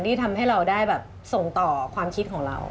ที่ทำให้เราได้แบบส่งต่อความคิดของเรา